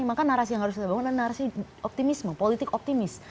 maka narasi yang harus kita bangun adalah narasi optimisme politik optimis